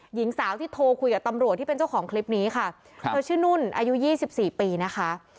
หญิงสาวที่โทรคุยกับตำรวจที่เป็นเจ้าของคลิปนี้ค่ะเธอชื่อนุ่นอายุ๒๔ปีนะคะ